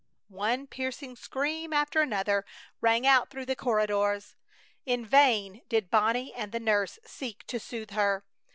One piercing scream after another rang out through the corridors. In vain did Bonnie and the nurse seek to soothe her.